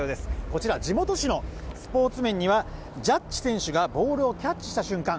こちら、地元紙のスポーツ面にはジャッジ選手がボールをキャッチした瞬間